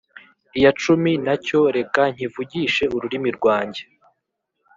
icya cumi na cyo reka nkivugishe ururimi rwanjye.